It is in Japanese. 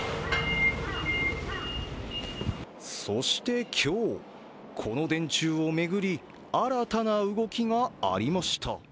そして今日、この電柱を巡り新たな動きがありました。